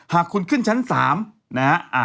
หากคุณขึ้นชั้น๓นะฮะ